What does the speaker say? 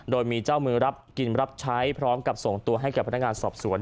โดยมีเจ้ามือรับกินรับใช้พร้อมกับส่งตัวให้กับพนักงานสอบสวน